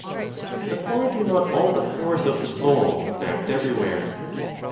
But why do not all the powers of the soul act everywhere?